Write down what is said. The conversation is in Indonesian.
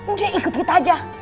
udah ikut kita aja